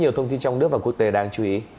hãy đăng ký kênh để ủng hộ kênh của mình nhé